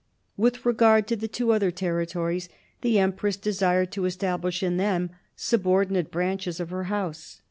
With regard to the two other territories, the empress desired to establish in them subordinate branches of her House.